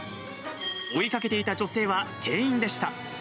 追いかけていた女性は店員でした。